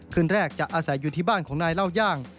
คืนแรกจะอาศัยอยู่ที่บ้านของนายเล่าย่าง